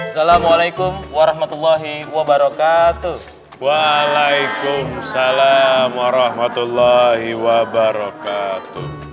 assalamualaikum warahmatullahi wabarakatuh waalaikumsalam warahmatullahi wabarakatuh